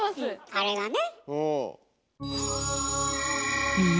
あれがね？